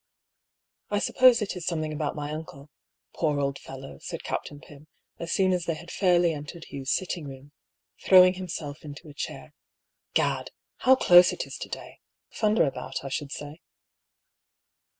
" I suppose it is something about my uncle — poor old fellow," said Captain Pym, as soon as they had fair ly entered Hugh's sitting room, throwing himself into a chair. " Gad ! How close it is to day I Thunder about, I should say."